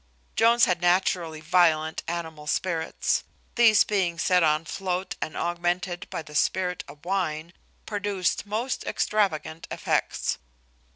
Jones had naturally violent animal spirits: these being set on float and augmented by the spirit of wine, produced most extravagant effects.